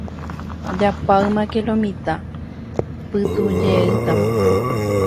Japáymake lo mitã, pytũjeýtama.